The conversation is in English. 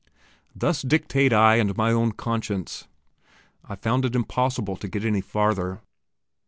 "Thus dictate I and my own conscience...." I found it impossible to get any farther.